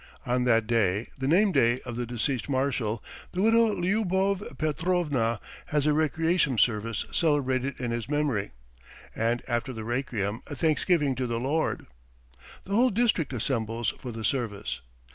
On that day, the nameday of the deceased marshal, the widow Lyubov Petrovna has a requiem service celebrated in his memory, and after the requiem a thanksgiving to the Lord. The whole district assembles for the service.